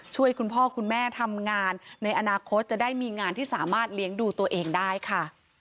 ช่วยคุณพ่อคุณแม่ทำงานในอนาคตจะได้มีงานที่สามารถเลี้ยงดูตัวเองได้ค่ะ